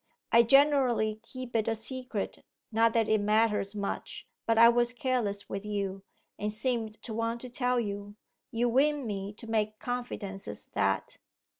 I generally keep it a secret not that it matters much. But I was careless with you, and seemed to want to tell you. You win me to make confidences that....